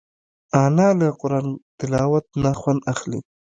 انا له قرآن تلاوت نه خوند اخلي